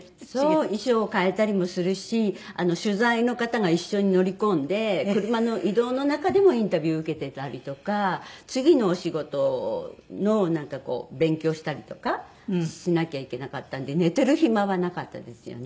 そう衣装を替えたりもするし取材の方が一緒に乗り込んで車の移動の中でもインタビュー受けてたりとか次のお仕事のなんかこう勉強したりとかしなきゃいけなかったんで寝てる暇はなかったですよね。